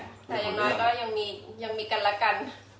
แต่อย่างน้อยก็ยังมีกันละกัน